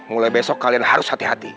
mulai besok kalian harus hati hati